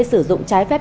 sử dụng trái phép